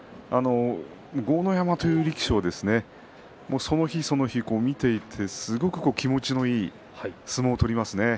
豪ノ山という力士はその日その日、見ていてすごく気持ちのいい相撲を取りますね。